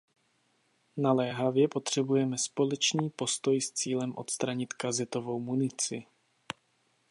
Naléhavě potřebujeme společný postoj s cílem odstranit kazetovou munici.